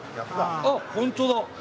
あっ、本当だ。